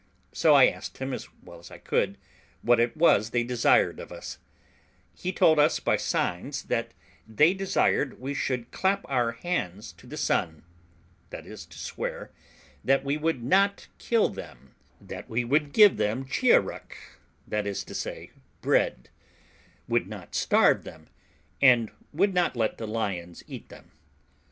So I asked him, as well as I could, what it was they desired of us; he told us by signs that they desired we should clap our hands to the sun (that was, to swear) that we would not kill them, that we would give them chiaruck, that is to say, bread, would not starve them, and would not let the lions eat them.